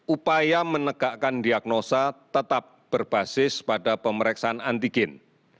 upaya menegakkan diagnosa tetap berbasis pada pemeriksaan antigen